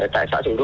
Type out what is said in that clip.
tại xã trường đô